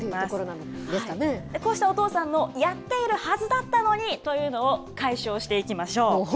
こうしたお父さんのやっているはずだったのに！というのを解消していきましょう。